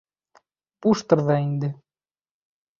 — Буштыр ҙа инде.